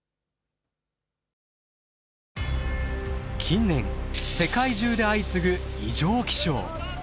近年世界中で相次ぐ異常気象。